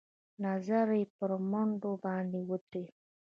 نظر يې په مړوند باندې ودرېد.